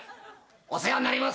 お世話になります。